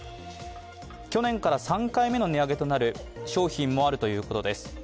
去年から３回目の値上げとなる商品もあるということです。